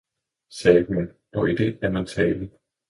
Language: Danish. sagde hun, og i det er man salig!